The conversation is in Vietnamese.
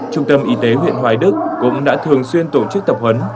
trung tâm y tế huyện hoài đức cũng đã thường xuyên tổ chức tập huấn